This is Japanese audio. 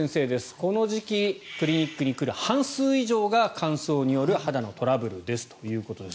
この時期クリニックに来る半数以上が乾燥による肌のトラブルですということです。